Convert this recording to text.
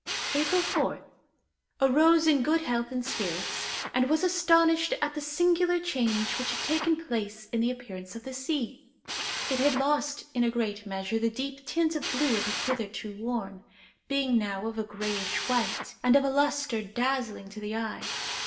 "April 4th. Arose in good health and spirits, and was astonished at the singular change which had taken place in the appearance of the sea. It had lost, in a great measure, the deep tint of blue it had hitherto worn, being now of a grayish white, and of a lustre dazzling to the eye.